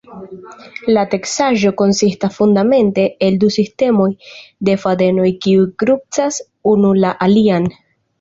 La teksaĵo konsistas fundamente el du sistemoj de fadenoj kiuj krucas unu la alian.